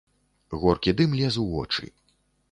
Горкі дым лез у вочы.